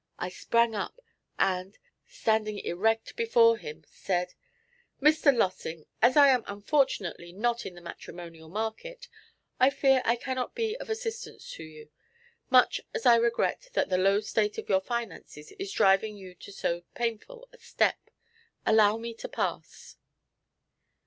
I sprang up, and, standing erect before him, said: '"Mr. Lossing, as I am unfortunately not in the matrimonial market, I fear I cannot be of assistance to you, much as I regret that the low state of your finances is driving you to so painful a step. Allow me to pass!"